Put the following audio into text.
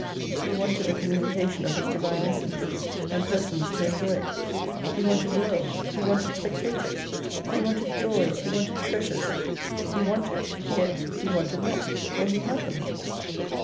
He wanted the communication of His divine essence, and persons to enjoy it. He wanted Worlds, He wanted Spectators, He wanted Joys, He wanted Treasures. He wanted, yet He wanted not, for He had them.